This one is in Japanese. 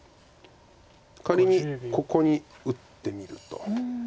仮にここに打ってみると。